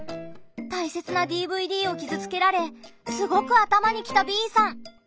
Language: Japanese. たいせつなＤＶＤを傷つけられすごく頭にきたＢさん。